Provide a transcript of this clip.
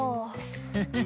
フフフッ！